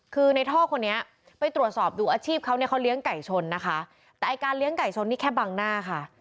คือในท่อคนนี้ไปตรวจสอบดูอาชีพเขาเนี่ยเขาเลี้ยงไก่ชนนะคะแต่ไอ้การเลี้ยงไก่ชนนี่แค่บังหน้าค่ะ